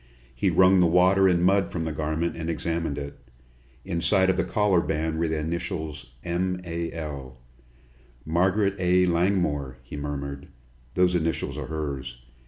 He wrung the water and mud from the garment and examined it. Inside of the collar band were the initials, "M. A. L." "Margaret A. Langmore," he murmured. "Those initials are hers.